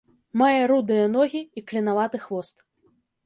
Мае рудыя ногі і клінаваты хвост.